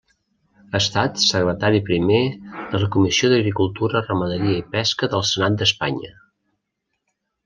Ha estat secretari primer de la Comissió d'Agricultura, Ramaderia i Pesca del Senat d'Espanya.